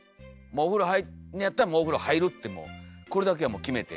お風呂入んのやったらお風呂入るってこれだけはもう決めて。